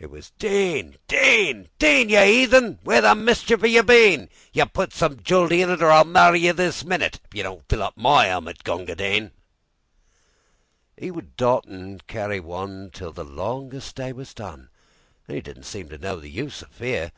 It was "Din! Din! Din! You 'eathen, where the mischief 'ave you been? You put some juldee in it, Or I'll marrow you this minute, If you don't fill up my helmet, Gunga Din!"'E would dot an' carry oneTill the longest day was done, An' 'e didn't seem to know the use o' fear.